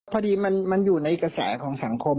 พอดีมันอยู่ในกระแสของสังคม